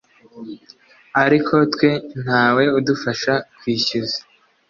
ariko twe ntawe udufasha kwishyuza